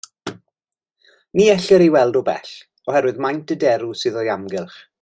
Ni ellir ei weld o bell, oherwydd maint y derw sydd o'i amgylch.